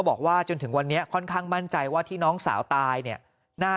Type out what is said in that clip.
บอกว่าจนถึงวันนี้ค่อนข้างมั่นใจว่าที่น้องสาวตายเนี่ยน่า